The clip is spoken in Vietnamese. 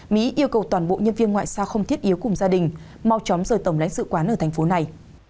mỹ yêu cầu toàn bộ nhân viên ngoại giao không thiết yếu cùng gia đình mau chóng rời tổng lãnh sự quán ở thành phố này